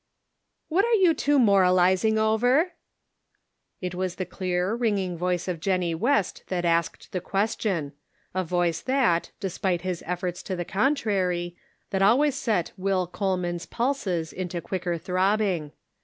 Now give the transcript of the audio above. "What are you two moralizing over?" It was the clear, ringing voice of Jennie West that asked the question — a voice that, despite his efforts to the contrary, always set Measuring Brains and Hearts. 127 Will Coleman's pulses into quicker throbbing.